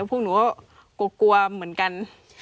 พวกหนูก็กลัวเหมือนกัน